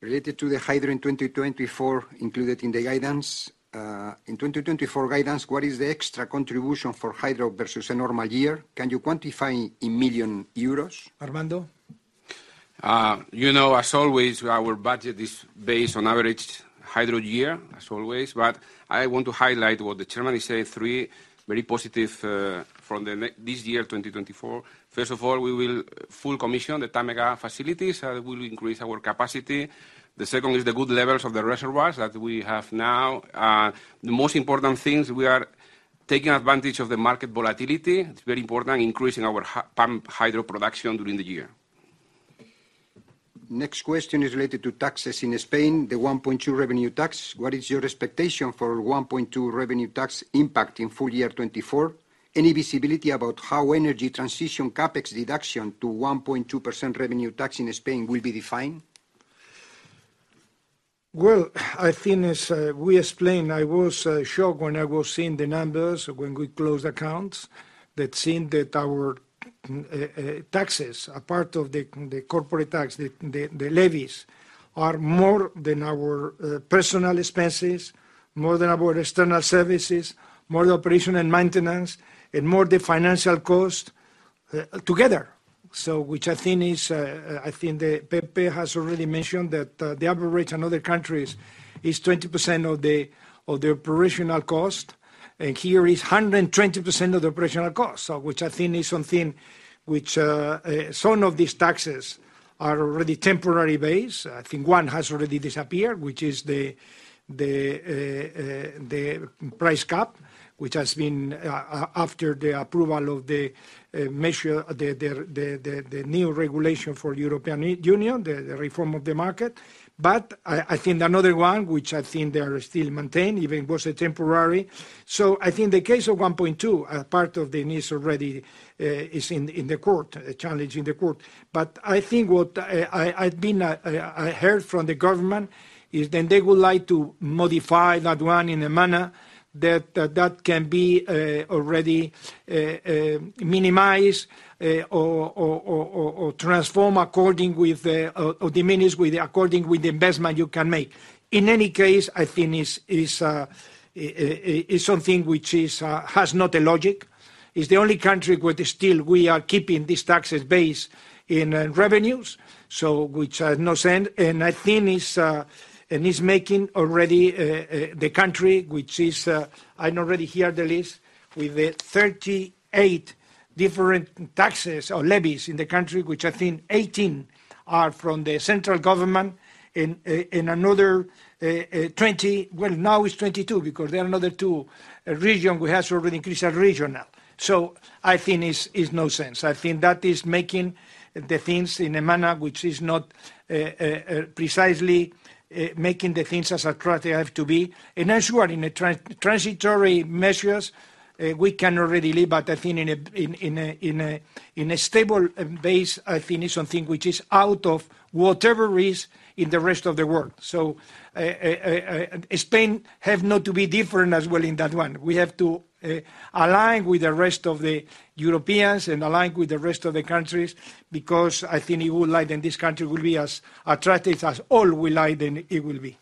Related to the hydro in 2024, included in the guidance. In 2024 guidance, what is the extra contribution for hydro versus a normal year? Can you quantify in million euros? Armando? You know, as always, our budget is based on average hydro year, as always. But I want to highlight what the chairman said, three very positive from the this year, 2024. First of all, we will full commission the Tâmega facilities, will increase our capacity. The second is the good levels of the reservoirs that we have now. The most important things, we are taking advantage of the market volatility. It's very important, increasing our pump hydro production during the year. Next question is related to taxes in Spain, the 1.2% revenue tax. What is your expectation for 1.2% revenue tax impact in full year 2024? Any visibility about how energy transition CapEx deduction to 1.2% revenue tax in Spain will be defined? Well, I think as we explained, I was shocked when I was seeing the numbers when we closed accounts, that seeing that our taxes, a part of the corporate tax, the levies, are more than our personal expenses, more than our external services, more the operation and maintenance, and more the financial cost together. So which I think is, I think the Pepe has already mentioned that, the average in other countries is 20% of the operational cost, and here is 120% of the operational cost. So which I think is something which... Some of these taxes are already temporary based. I think one has already disappeared, which is the price cap, which has been after the approval of the measure, the new regulation for European Union, the reform of the market. But I think another one, which I think they are still maintained, even it was a temporary. So I think the case of 1.2, a part of them is already in the court, challenging the court. But I think what I heard from the government is that they would like to modify that one in a manner that can be already minimized or transformed according with the... or diminished with the according with the investment you can make. In any case, I think it is something which has not a logic. It's the only country where they still we are keeping this taxes base in revenues, so which has no sense. And I think it is making already the country, which is I already hear the list, with 38 different taxes or levies in the country, which I think 18 are from the central government, and another 20—well, now it's 22, because there are another two region we have already increased at regional. So I think it is no sense. I think that is making the things in a manner which is not precisely making the things as attractive they have to be. As you are in transitory measures, we can already live, but I think in a stable base, I think is something which is out of whatever risk in the rest of the world. So, Spain have not to be different as well in that one. We have to align with the rest of the Europeans and align with the rest of the countries, because I think it would like that this country will be as attractive as all we like, then it will be.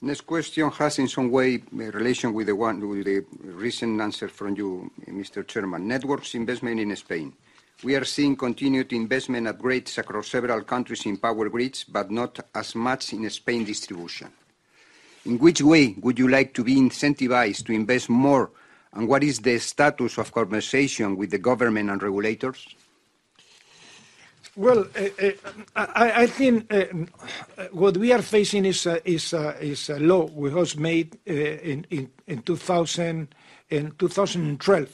Next question has in some way a relation with the one, with the recent answer from you, Mr. Chairman. Networks investment in Spain. We are seeing continued investment upgrades across several countries in power grids, but not as much in Spain distribution.... In which way would you like to be incentivized to invest more, and what is the status of conversation with the government and regulators? Well, I think what we are facing is a law which was made in 2012,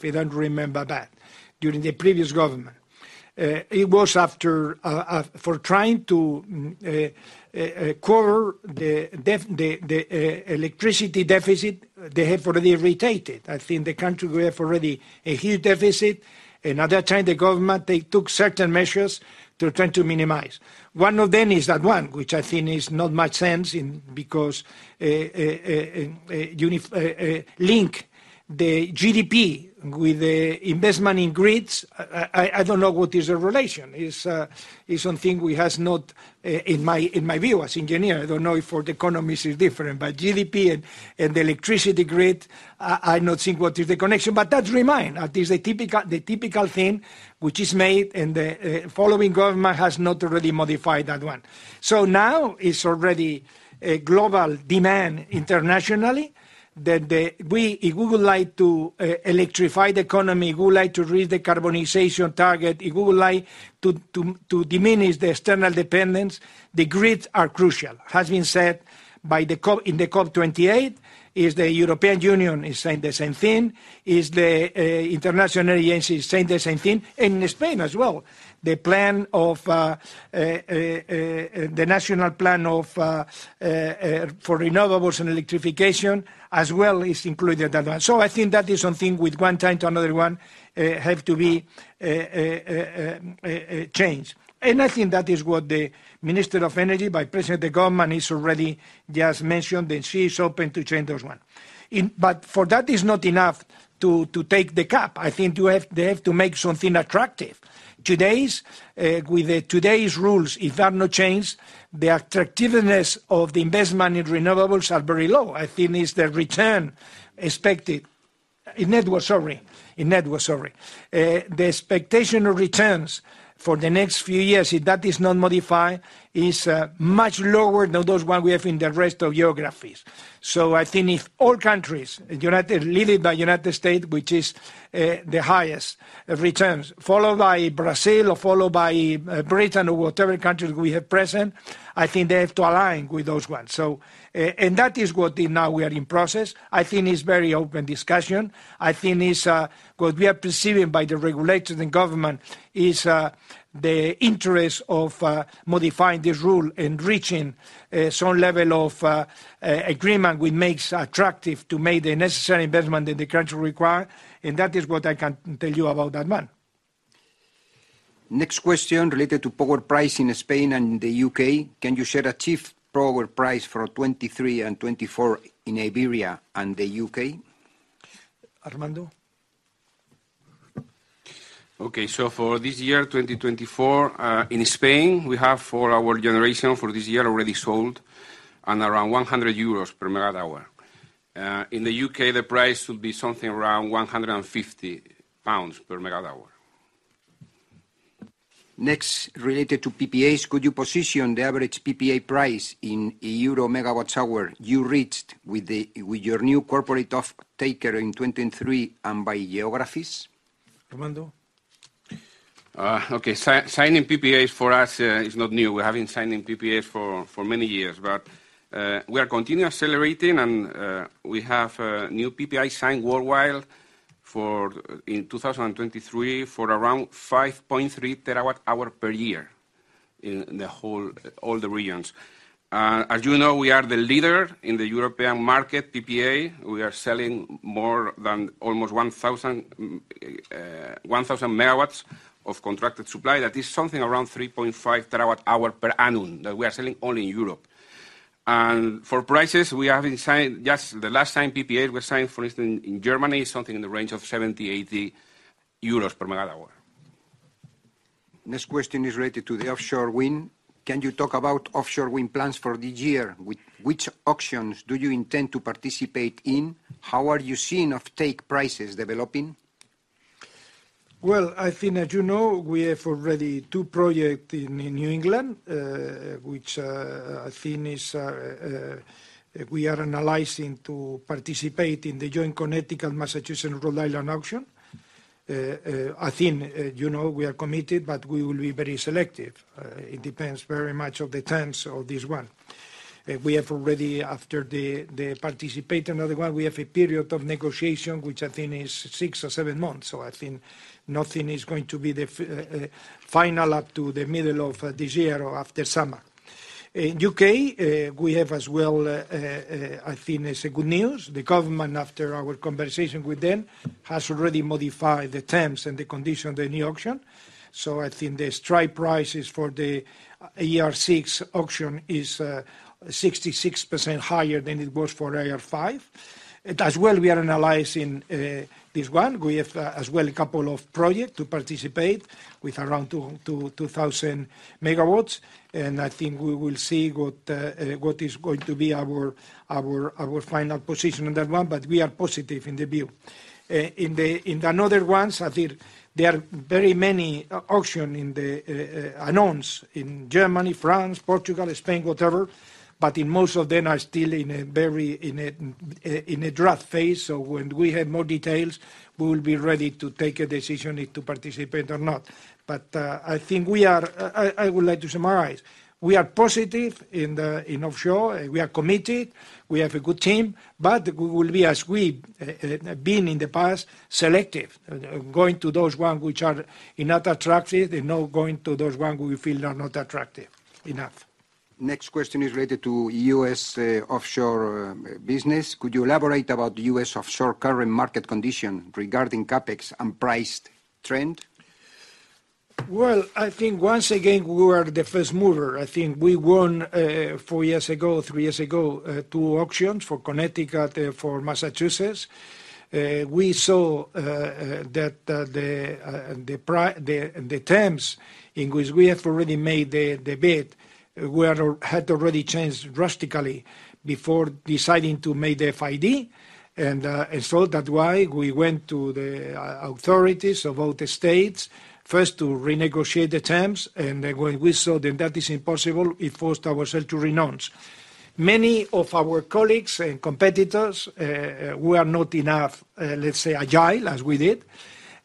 if I remember that, during the previous government. It was after for trying to cover the electricity deficit they have already retained it. I think the country, we have already a huge deficit. Another time, the government, they took certain measures to try to minimize. One of them is that one, which I think is not much sense in, because link the GDP with the investment in grids, I don't know what is the relation. It's something we has not in my view as engineer. I don't know if for the economists it's different. But GDP and the electricity grid, I not see what is the connection, but that remain. That is the typical thing which is made, and the following government has not already modified that one. So now it's already a global demand internationally, that the if we would like to electrify the economy, we would like to reach the decarbonization target, if we would like to diminish the external dependence, the grids are crucial. It has been said by the COP, in the COP 28. As the European Union is saying the same thing, as the international agency is saying the same thing, and in Spain as well. The plan of the national plan for renewables and electrification as well is included in that one. So I think that is something with one time to another one, have to be changed. And I think that is what the Minister of Energy, by President of the Government, is already just mentioned, that she is open to change those one. But for that is not enough to take the cap. I think you have- they have to make something attractive. Today's, with the today's rules, if there are no change, the attractiveness of the investment in renewables are very low. I think it's the return expected... In net was sorry, in net was sorry. The expectation of returns for the next few years, if that is not modified, is much lower than those one we have in the rest of geographies. So I think if all countries, United, leading by United States, which is the highest returns, followed by Brazil or followed by Britain or whatever countries we have present, I think they have to align with those ones. So, and that is what now we are in process. I think it's very open discussion. I think it's what we are perceiving by the regulators and government is the interest of modifying this rule and reaching some level of agreement which makes attractive to make the necessary investment that the country require, and that is what I can tell you about that one. Next question related to power price in Spain and the UK: Can you share a achieved power price for 2023 and 2024 in Iberia and the UK? Armando? Okay, so for this year, 2024, in Spain, we have for our generation for this year already sold on around 100 euros per MWh. In the UK, the price will be something around 150 pounds per MWh. Next, related to PPAs, could you position the average PPA price in euro megawatt hour you reached with your new corporate off-taker in 2023 and by geographies? Armando? Okay, signing PPAs for us is not new. We have been signing PPAs for many years. But we are continuing accelerating, and we have new PPAs signed worldwide in 2023, for around 5.3 TWh per year in all the regions. As you know, we are the leader in the European market PPA. We are selling more than almost 1,000 MW of contracted supply. That is something around 3.5 TWh per annum that we are selling only in Europe. And for prices, we have been signed, just the last time PPA was signed, for instance, in Germany, is something in the range of 70-80 EUR/MWh. Next question is related to the offshore wind. Can you talk about offshore wind plans for this year? Which, which auctions do you intend to participate in? How are you seeing offtake prices developing? Well, I think, as you know, we have already two projects in New England, which I think is, we are analyzing to participate in the joint Connecticut, Massachusetts, and Rhode Island auction. I think, you know, we are committed, but we will be very selective. It depends very much on the terms of this one. We have already, after the participating another one, we have a period of negotiation, which I think is six or seven months, so I think nothing is going to be the final up to the middle of this year or after summer. In the UK, we have as well, I think it's good news. The government, after our conversation with them, has already modified the terms and the conditions of the new auction. So I think the strike prices for the AR6 auction is 66% higher than it was for AR5. As well, we are analyzing this one. We have, as well, a couple of projects to participate with around 2,000 MW, and I think we will see what is going to be our final position on that one, but we are positive in the view. In other ones, I think there are very many auctions announced in Germany, France, Portugal, Spain, whatever, but in most of them are still in a draft phase. So when we have more details, we will be ready to take a decision if to participate or not. I would like to summarize: We are positive in the, in offshore, we are committed, we have a good team, but we will be, as we been in the past, selective, going to those one which are enough attractive and not going to those one we feel are not attractive enough. Next question is related to USA offshore business. Could you elaborate about the US offshore current market condition regarding CapEx and price trend? Well, I think once again, we were the first mover. I think we won four years ago, three years ago, two auctions for Connecticut, for Massachusetts. We saw that the terms in which we have already made the bid had already changed drastically before deciding to make the FID. And so that's why we went to the authorities of all the states, first, to renegotiate the terms, and then when we saw that that is impossible, we forced ourselves to renounce. Many of our colleagues and competitors were not enough, let's say, agile, as we did.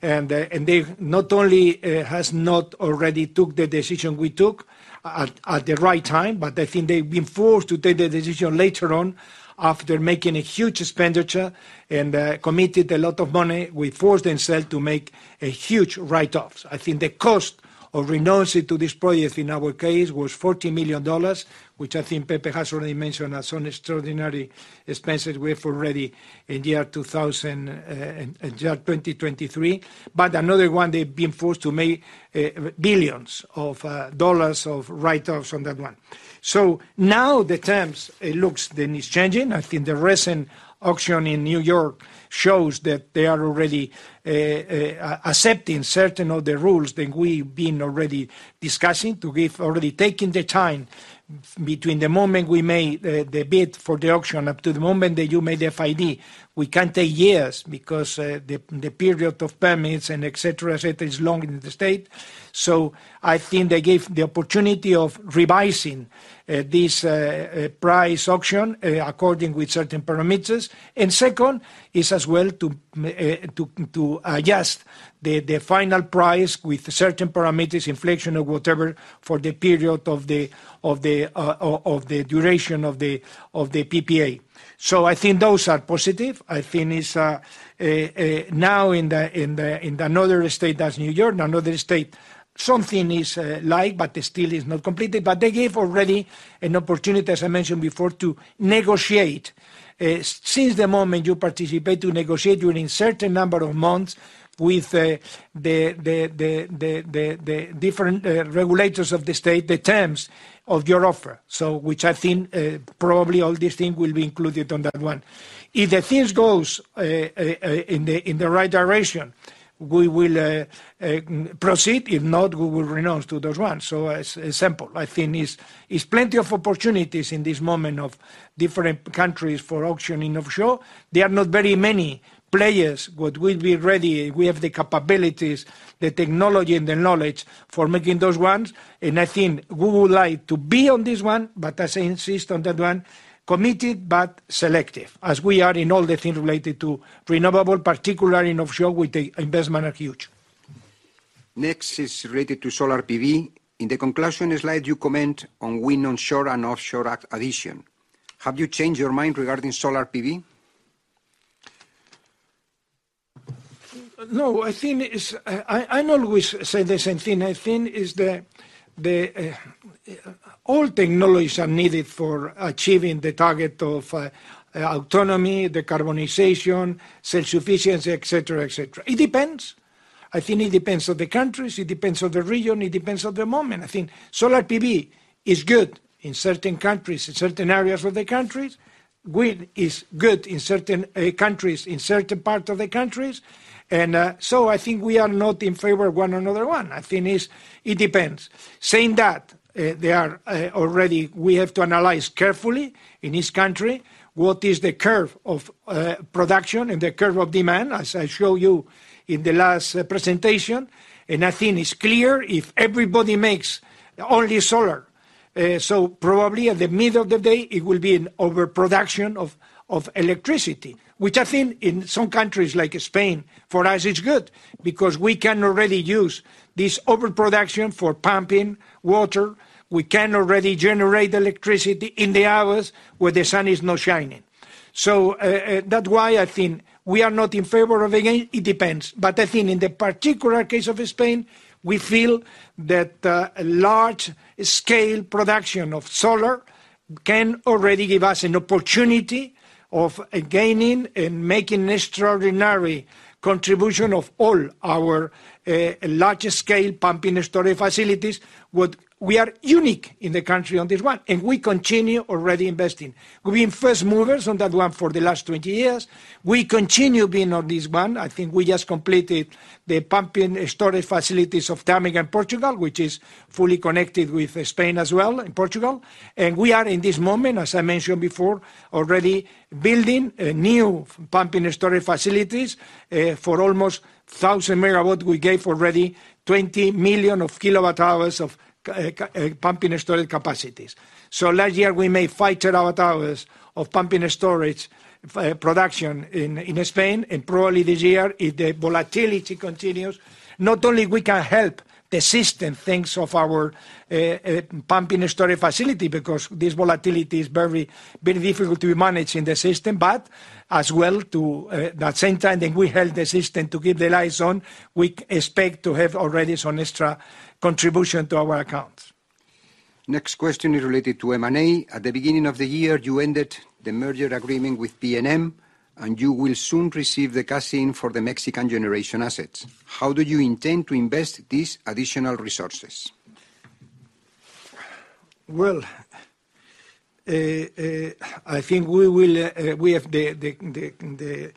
They not only has not already took the decision we took at the right time, but I think they've been forced to take the decision later on, after making a huge expenditure and committed a lot of money, they forced themselves to make a huge write-offs. I think the cost of renouncing to this project, in our case, was $40 million, which I think Pepe has already mentioned as an extraordinary expenses we have already in year 2023. But another one, they've been forced to make billions of dollars of write-offs on that one. So now the terms, it looks, then is changing. I think the recent auction in New York shows that they are already accepting certain of the rules that we've been already discussing, to give. Already taken the time between the moment we made the bid for the auction up to the moment that you made the FID. We can't take years because the period of permits and et cetera, et cetera, is long in the state. So I think they gave the opportunity of revising this price auction according with certain parameters. And second, is as well to adjust the final price with certain parameters, inflation or whatever, for the period of the duration of the PPA. So I think those are positive. I think it's now in another state, that's New York, another state, something is light, but it still is not completely. But they gave already an opportunity, as I mentioned before, to negotiate, since the moment you participate, to negotiate during certain number of months with the different regulators of the state, the terms of your offer. So which I think, probably all these things will be included on that one. If the things goes in the right direction, we will proceed. If not, we will renounce to those ones. So as simple, I think is plenty of opportunities in this moment of different countries for auction in offshore. There are not very many players, but we'll be ready. We have the capabilities, the technology, and the knowledge for making those ones. I think we would like to be on this one, but as I insist on that one, committed but selective, as we are in all the things related to renewable, particularly in offshore, where the investment are huge. Next is related to solar PV. In the conclusion slide, you comment on wind on shore and offshore addition. Have you changed your mind regarding solar PV? No, I think it is. I always say the same thing. I think it is the all technologies are needed for achieving the target of autonomy, decarbonization, self-sufficiency, et cetera, et cetera. It depends. I think it depends on the countries, it depends on the region, it depends on the moment. I think solar PV is good in certain countries, in certain areas of the countries. Wind is good in certain countries, in certain parts of the countries. And so I think we are not in favor of one another one. I think it is it depends. Saying that, they are already we have to analyze carefully in each country what is the curve of production and the curve of demand, as I show you in the last presentation. I think it's clear, if everybody makes only solar, so probably in the middle of the day, it will be an overproduction of electricity, which I think in some countries, like Spain, for us, it's good because we can already use this overproduction for pumping water. We can already generate electricity in the hours where the sun is not shining. So, that's why I think we are not in favor of, again, it depends. But I think in the particular case of Spain, we feel that large-scale production of solar can already give us an opportunity of gaining and making extraordinary contribution of all our large-scale pumping and storage facilities. We are unique in the country on this one, and we continue already investing. We've been first movers on that one for the last 20 years. We continue being on this one. I think we just completed the pumping and storage facilities of Alto Tâmega in Portugal, which is fully connected with Spain as well, and Portugal. We are, in this moment, as I mentioned before, already building new pumping and storage facilities. For almost 1,000 MW, we gave already 20 million kWh of pumping and storage capacities. So last year, we made 50 hours of pumping and storage production in Spain, and probably this year, if the volatility continues, not only we can help the system, thanks of our pumping and storage facility, because this volatility is very, very difficult to be managed in the system. But as well, that same time that we help the system to keep the lights on, we expect to have already some extra contribution to our accounts. Next question is related to M&A. At the beginning of the year, you ended the merger agreement with PNM, and you will soon receive the cash for the Mexican generation assets. How do you intend to invest these additional resources? Well, I think we will have the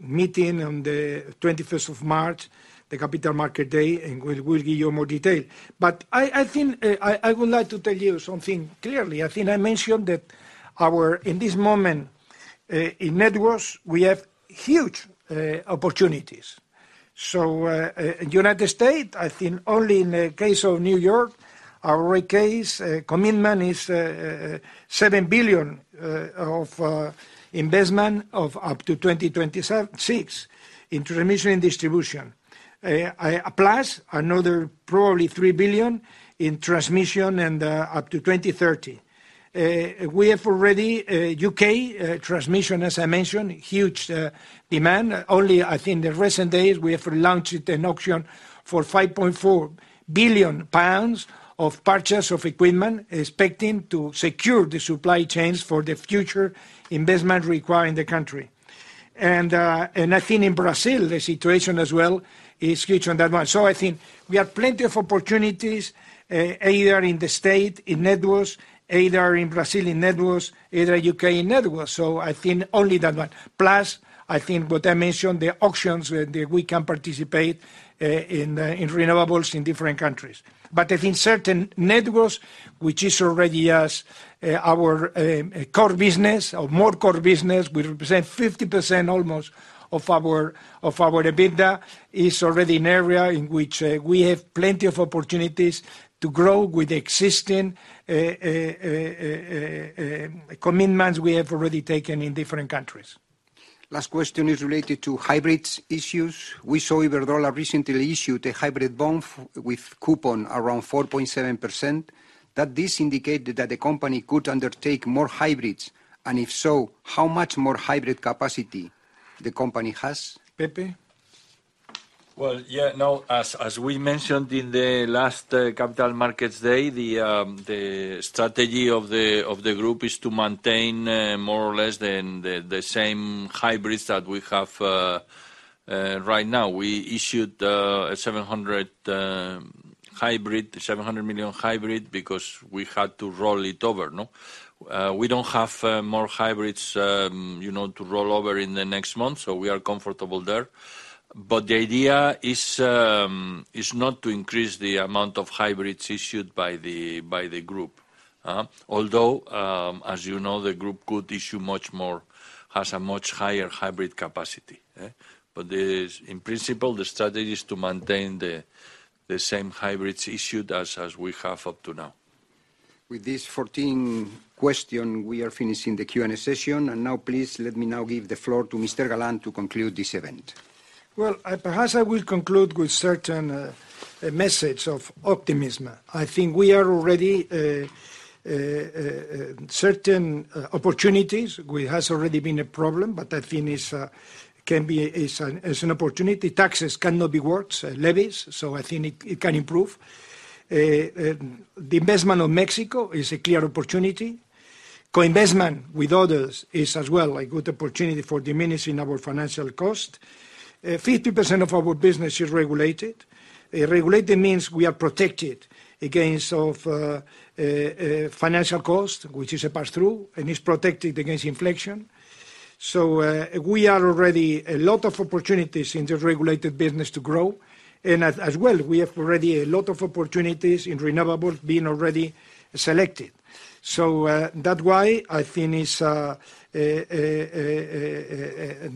meeting on the 21st of March, the Capital Markets Day, and we'll give you more detail. But I think I would like to tell you something clearly. I think I mentioned that our... In this moment, in networks, we have huge opportunities. So, United States, I think only in the case of New York, our case, commitment is $7 billion of investment up to 2026, in transmission and distribution. Plus another probably $3 billion in transmission and up to 2030. We have already UK transmission, as I mentioned, huge demand. Only I think the recent days, we have launched an auction for 5.4 billion pounds of purchase of equipment, expecting to secure the supply chains for the future investment required in the country. And, and I think in Brazil, the situation as well is huge on that one. So I think we have plenty of opportunities, either in the state, in networks, either in Brazil, in networks, either UK, in networks. So I think only that one. Plus, I think what I mentioned, the auctions, where, that we can participate, in, in renewables in different countries. But I think certain networks, which is already our core business or more core business, we represent almost 50% of our EBITDA, is already an area in which we have plenty of opportunities to grow with existing commitments we have already taken in different countries. Last question is related to hybrid issues. We saw Iberdrola recently issued a hybrid bond with coupon around 4.7%. That this indicated that the company could undertake more hybrids, and if so, how much more hybrid capacity the company has. Pepe? Well, yeah, no, as we mentioned in the last Capital Markets Day, the strategy of the group is to maintain more or less the same hybrids that we have right now. We issued EUR 700 million hybrid because we had to roll it over, no? We don't have more hybrids, you know, to roll over in the next month, so we are comfortable there. But the idea is not to increase the amount of hybrids issued by the group? Although, as you know, the group could issue much more, has a much higher hybrid capacity? In principle, the strategy is to maintain the same hybrids issued as we have up to now. With this 14 question, we are finishing the Q&A session. Now please let me now give the floor to Mr. Galan to conclude this event. Well, perhaps I will conclude with certain message of optimism. I think we are already certain opportunities, where has already been a problem, but I think can be an opportunity. Taxes cannot be worse levies, so I think it can improve. The investment of Mexico is a clear opportunity. Co-investment with others is as well a good opportunity for diminishing our financial cost. 50% of our business is regulated. Regulated means we are protected against of financial cost, which is a pass-through, and is protected against inflation. So, we are already a lot of opportunities in the regulated business to grow, and as well, we have already a lot of opportunities in renewables being already selected. So, that why I think is,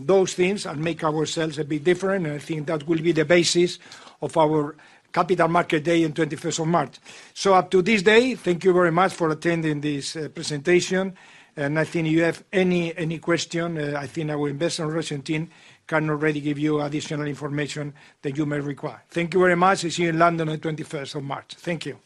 those things and make ourselves a bit different, and I think that will be the basis of our Capital Markets Day in 21 March. So up to this day, thank you very much for attending this, presentation. And I think you have any, any question, I think our Investor Relations team can already give you additional information that you may require. Thank you very much. We'll see you in London on 21 March. Thank you.